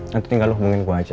nanti tinggal lo hubungin gue aja